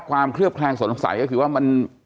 ความเคลียบคล้างสดใสก็คือว่ามัน